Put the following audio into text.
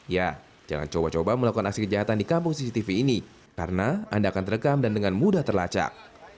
ya jangan coba coba melakukan aksi kejahatan di kampung cctv ini karena anda akan terekam dan dengan mudah terlacak